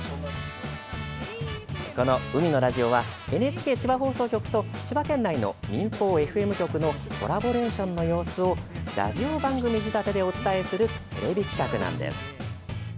この「海のラジオ」はＮＨＫ千葉放送局と千葉県内の民放ＦＭ局のコラボレーションの様子をラジオ番組仕立てでお伝えするテレビ企画なんです。